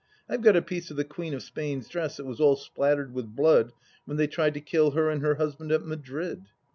I've got a piece of the Queen of Spain's dress that was all spattered with blood when they tried to kill her and her husband at Madrid.